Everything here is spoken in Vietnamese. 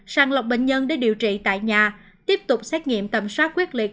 sàng lọc bệnh nhân để điều trị tại nhà tiếp tục xét nghiệm tầm soát quyết liệt